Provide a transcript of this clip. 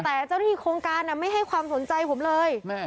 แต่เจ้าที่โครงการไม่ให้ความสนใจผมเลย